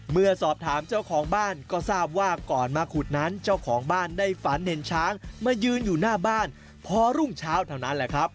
เมื่อสอบถามเจ้าของบ้านก็ทราบว่าก่อนมาขุดนั้นเจ้าของบ้านได้ฝันเห็นช้างมายืนอยู่หน้าบ้านพอรุ่งเช้าเท่านั้นแหละครับ